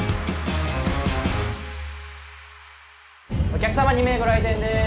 お客様２名ご来店です。